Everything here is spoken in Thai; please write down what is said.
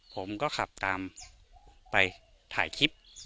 ผมก็ขับตามไปถ่ายคลิป